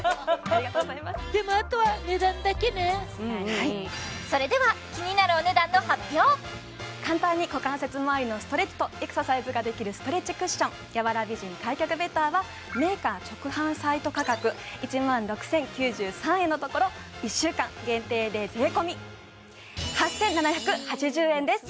はいそれではキニナル簡単に股関節まわりのストレッチとエクササイズができるストレッチクッション柔ら美人開脚ベターはメーカー直販サイト価格１万６０９３円のところ１週間限定で税込８７８０円です！